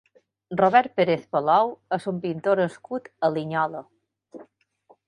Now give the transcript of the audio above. Robert Pérez Palou és un pintor nascut a Linyola.